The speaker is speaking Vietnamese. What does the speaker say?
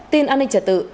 tin an ninh trả tự